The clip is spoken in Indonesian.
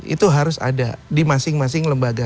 itu harus ada di masing masing lembaga